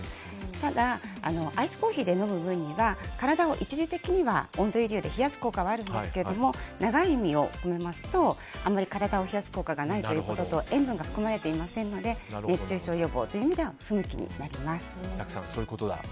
ただアイスコーヒーで飲む分には体を一時的には冷やす効果があるんですが長い目で見ますとあまり体を冷やす効果がないということと塩分が含まれていませんので熱中症予防という意味では不向きになります。